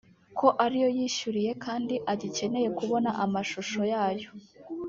ko ariyo yishyuriye kandi agikeneye kubona amashusho yayo